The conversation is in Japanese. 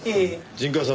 陣川さん